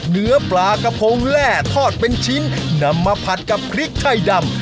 เนื้อปลากระพงแร่ทอดเป็นชิ้นนำมาผัดกับพริกไทยดำ